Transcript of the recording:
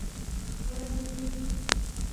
ورسیدي